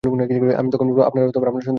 আমি তখন বলব, আপনার ও আপনার সন্তুষ্টির জন্য।